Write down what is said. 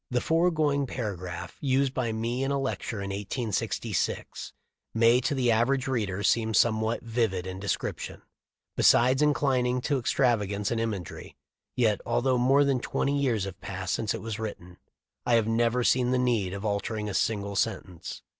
The foregoing paragraph, used by me in a lecture in 1866, may to the average reader seem somewhat vivid in description, besides inclin ing to extravagance in imagery, yet although more than twenty years have passed since it was written I have never seen the need of altering a single sen tence.